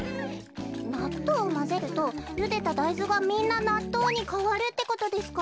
なっとうをまぜるとゆでただいずがみんななっとうにかわるってことですか？